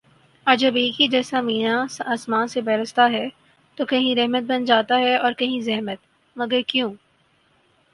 اور جب ایک ہی جیسا مینہ آسماں سے برستا ہے تو کہیں رحمت بن جاتا ہے اور کہیں زحمت مگر کیوں